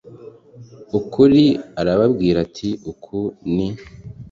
ukuri Arababwira ati uku ni